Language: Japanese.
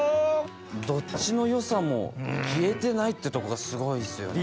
どっちの良さも消えてないってとこがすごいっすよね。